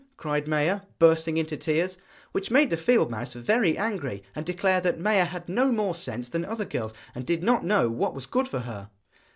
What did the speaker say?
cried Maia, bursting into tears; which made the field mouse very angry, and declare that Maia had no more sense than other girls, and did not know what was good for her.